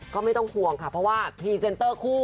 ก็ไม่ต้องห่วงค่ะเพราะว่าพรีเซนเตอร์คู่